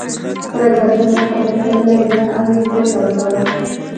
پر اکبرجان دا خبره ښه نه لګېده او یې کرکه ورته وه.